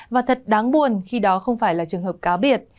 và thật đáng buồn khi đó không phải là trường hợp cá biệt